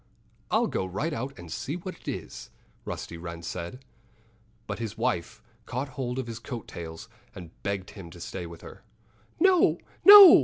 "I'll go right out and see what it is," Rusty Wren said. But his wife caught hold of his coat tails and begged him to stay with her. "No! no!"